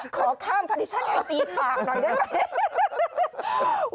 ขอข้ามพาริชั่นให้จี๊ดผากหน่อยได้ไหม